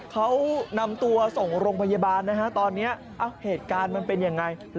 เขานำตัวส่งโรงพยาบาลนะคะตอนเนี้ยอ้ะเหตุการณ์มันเป็นยังไงเล่าหน่อย